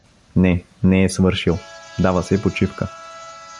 — Не, не е свършил, дава се почивка.